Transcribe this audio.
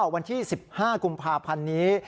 วันที่๑๕กุมภาพันธ์นี้